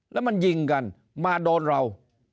แล้วมันยิงกันมาโดนเรา